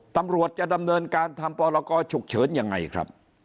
ตำรวจจะดำเนินการทำพรกรฉุกเฉินยังไงครับ